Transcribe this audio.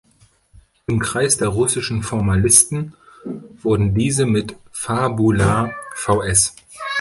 Im Kreis der russischen Formalisten wurden diese mit „fabula vs.